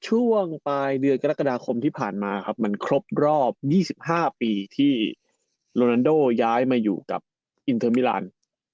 ช่วงปลายเดือนกรกฎาคมที่ผ่านมาครับมันครบรอบ๒๕ปีที่โรนันโดย้ายมาอยู่กับอินเทอร์มิลาน